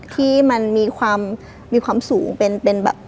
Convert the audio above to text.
ที่มันมีความสูงเป็นแบบ